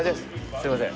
すいません。